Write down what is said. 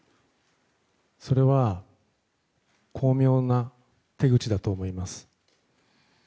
それは巧妙な手口だと思います。